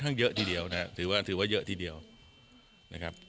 เยอะทีเดียวนะครับถือว่าถือว่าเยอะทีเดียวนะครับ